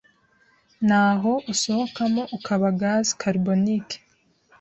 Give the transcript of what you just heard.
naho usohokamo ukaba gaz carbonique.